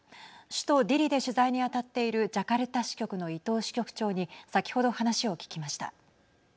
首都ディリで取材にあたっているジャカルタ支局の伊藤支局長に先ほど話を聞きました。